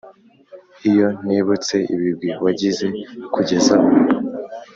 Iyo nibutse ibigwi wagize kugeza ubu,